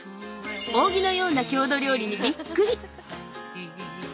扇のような郷土料理にびっくり！